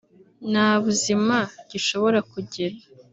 nta buzima gishobora kugira